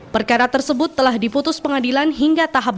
perkara tersebut telah diputus pengadilan hingga tahap